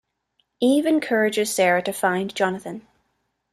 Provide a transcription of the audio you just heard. Eve encourages Sara to find Jonathan.